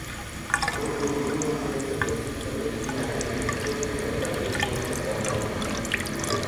Мы были вынуждены согласиться пойти на эти уступки под давлением со стороны.